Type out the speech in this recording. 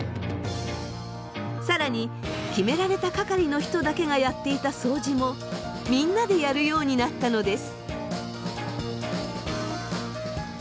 更に決められた係の人だけがやっていた掃除もみんなでやるようになったのです。